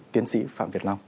tiến sĩ phạm việt long